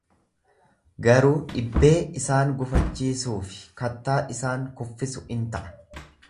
Garuu dhibbee isaan gufachiisuu fi kattaa isaan kuffisu in ta'a.